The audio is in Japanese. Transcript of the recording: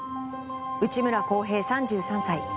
内村航平、３３歳。